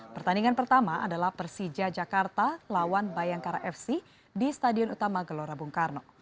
pertandingan pertama adalah persija jakarta lawan bayangkara fc di stadion utama gelora bung karno